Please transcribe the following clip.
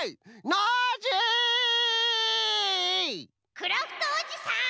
・クラフトおじさん！